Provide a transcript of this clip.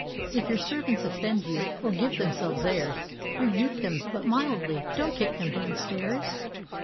If your servants offend you, or give themselves airs, Rebuke them — but mildly — don't kick them down stairs!